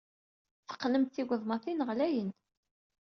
Teqqnem-d tigeḍmatin ɣlayen.